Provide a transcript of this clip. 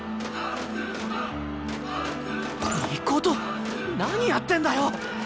尊何やってんだよ！